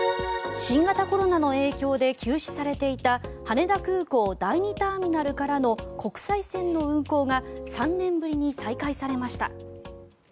新型コロナの影響で休止されていた羽田空港第２ターミナルからの国際線の運航が３年ぶりに再開されました。